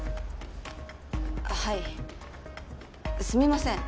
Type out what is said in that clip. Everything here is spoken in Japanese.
はいすみません